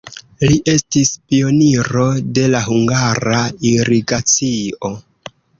Li estis pioniro de la hungara irigacio.